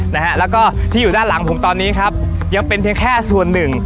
และที่อยู่ด้านหลังผมตอนนี้ตรงนี้เป็นเซ็ปส่วนหนึ่ง